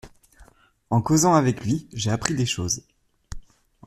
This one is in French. En causant avec lui, j’ai appris des choses…